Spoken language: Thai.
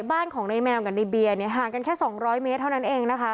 บ้านของในแมวกับในเบียร์เนี่ยห่างกันแค่๒๐๐เมตรเท่านั้นเองนะคะ